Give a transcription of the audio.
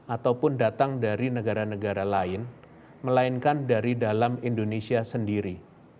ataupun datang dari negara negara lain melainkan dari dalam indonesia sendiri